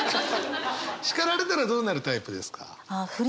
叱られたらどうなるタイプですか？